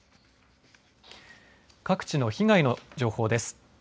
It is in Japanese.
各地の被害の情報です。